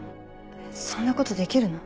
そんなことできるの？